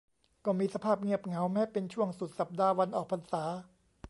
ก็มีสภาพเงียบเหงาแม้เป็นช่วงสุดสัปดาห์วันออกพรรษา